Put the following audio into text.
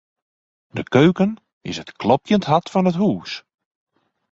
De keuken is it klopjend hart fan it hús.